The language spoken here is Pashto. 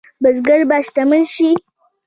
بزګر به شتمن شي؟